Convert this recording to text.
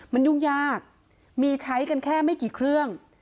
มันยุ่งยากมีใช้กันแค่ไม่กี่เครื่อง